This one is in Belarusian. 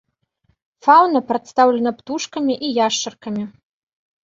Фаўна прадстаўлена птушкамі і яшчаркамі.